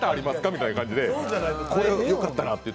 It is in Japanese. みたいな感じで、これよかったらって。